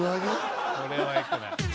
これはよくない。